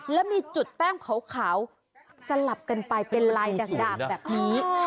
แล้วมีจุดแต้มขาวสลับกันไปเป็นลายด่างแบบนี้